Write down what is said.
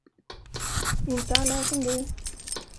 Inte alla är som du.